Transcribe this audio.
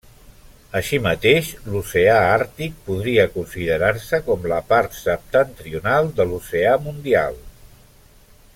Així mateix, l'oceà Àrtic podria considerar-se com la part septentrional de l'oceà Mundial.